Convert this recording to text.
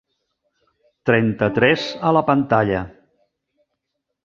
Trenta-tres a la pantalla.